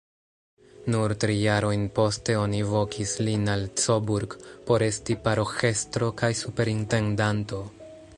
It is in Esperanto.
Nur tri jarojn poste oni vokis lin al Coburg por esti paroĥestro kaj superintendanto.